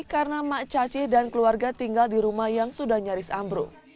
karena mak caci dan keluarga tinggal di rumah yang sudah nyaris ambruk